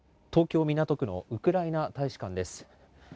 東京・港区のウクライナ大使館です。